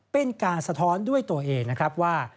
เป็นการสะท้อนด้วยตัวเองนะครับว่า